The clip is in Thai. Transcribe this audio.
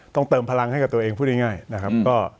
เติมพลังให้กับตัวเองพูดง่ายนะครับ